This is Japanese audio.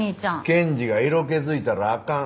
検事が色気づいたらあかん。